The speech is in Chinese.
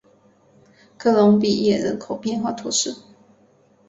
科隆比耶人口变化图示